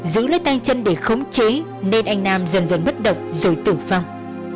giữ lấy tay chân để khống chế nên anh nam dần dần bất động rồi tử vong